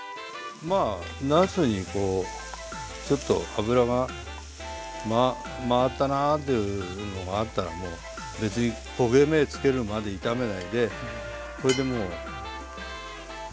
まあなすにこうちょっと油が回ったなっていうのがあったらもう別に焦げ目つけるまで炒めないでこれでもう煮ちゃえばいいんです。